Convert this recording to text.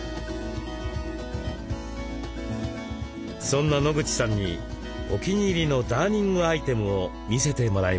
そんな野口さんにお気に入りのダーニングアイテムを見せてもらいました。